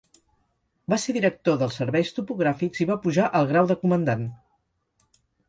Va ser director dels Serveis Topogràfics i va pujar al grau de comandant.